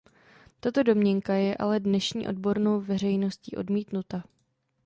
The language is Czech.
Tato domněnka je ale dnešní odbornou veřejností odmítnuta.